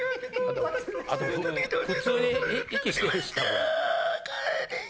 あと普通に息してましたもん。